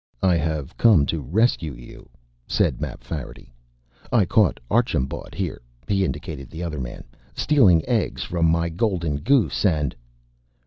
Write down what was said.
"I have come to rescue you," said Mapfarity. "I caught Archambaud here," he indicated the other man "stealing eggs from my golden goose. And...."